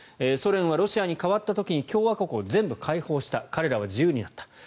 それはロシアに変わった時に共和国を全部解放した彼らは自由になった。